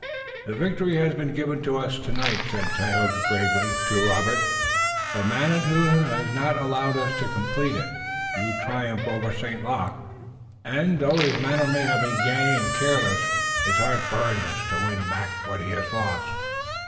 "The victory has been given to us tonight," said Tayoga gravely to Robert, "but Manitou has not allowed us to complete it. Few triumph over St. Luc, and, though his manner may have been gay and careless, his heart burns to win back what he has lost."